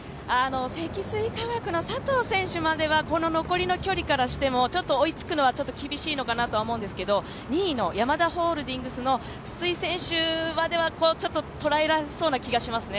積水化学の佐藤選手までは残りの距離からしてもちょっと追いつくのは厳しいのかなとは思うんですけど、２位のヤマダホールディングスの筒井選手まではちょっと捉えられなそうな気がしますね。